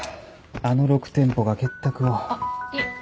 あの６店舗が結託を。